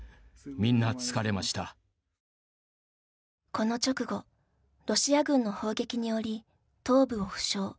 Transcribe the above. この直後ロシア軍の砲撃により頭部を負傷。